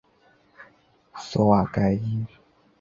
索瓦盖伊。